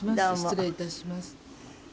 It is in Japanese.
失礼いたします。